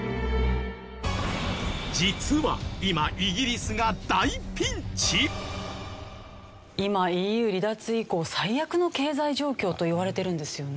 実は今今ＥＵ離脱以降最悪の経済状況といわれてるんですよね。